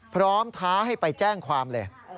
ท้าให้ไปแจ้งความเลย